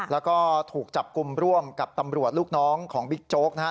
แล้วก็ถูกจับกลุ่มร่วมกับตำรวจลูกน้องของบิ๊กโจ๊กนะฮะ